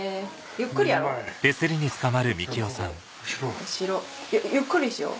ゆっくりしよう。